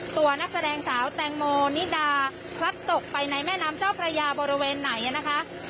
ตัวนักแสดงสาวแตงโมนิดาพลัดตกไปในแม่น้ำเจ้าพระยาบริเวณไหนนะคะ